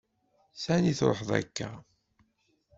S ani truḥeḍ akka?